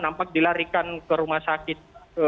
nampak dilarikan ke rumah sakit